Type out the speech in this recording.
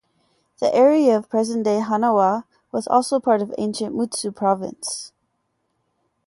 The area of present-day Hanawa was part of ancient Mutsu Province.